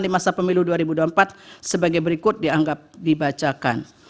di masa pemilu dua ribu dua puluh empat sebagai berikut dianggap dibacakan